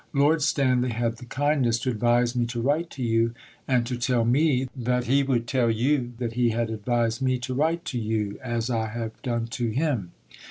Lord Stanley had the kindness to advise me to write to you, and to tell me that he would tell you that he had "advised" me "to write to" you as I "have done to" him.